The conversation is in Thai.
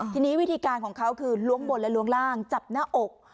ทีนี้วิธีการของเขาคือล้วงบนและล้วงล่างจับหน้าอก